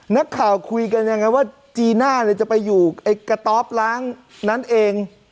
นักข่าวคุยกันยังไงว่าจีน่าเนี่ยจะไปอยู่ไอ้กระต๊อบล้างนั้นเอง